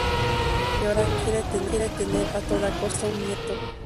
Una señora quiere tener a toda costa un nieto.